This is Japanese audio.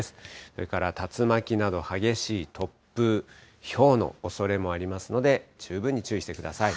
それから竜巻など激しい突風、ひょうのおそれもありますので、十分に注意してください。